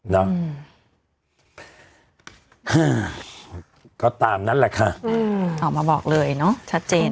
เนาะก็ตามนั้นแหละค่ะอืมออกมาบอกเลยเนอะชัดเจน